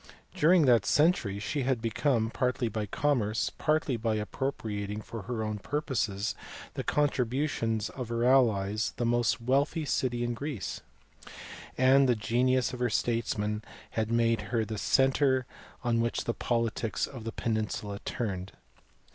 During that century she had become, partly by commerce, partly by appropriating for her own purposes the contributions of her allies, the most wealthy city in Greece; and the genius of her statesmen had made her the centre on which the politics of the peninsula turned.